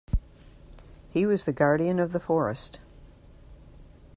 He was the guardian of the forest.